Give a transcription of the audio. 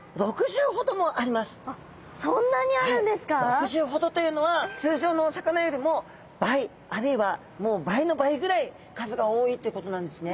６０ほどというのは通常のお魚よりも倍あるいは倍の倍ぐらい数が多いっていうことなんですね。